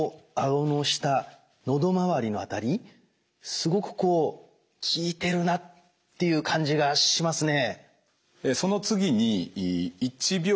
すごくこう効いてるなっていう感じがしますね。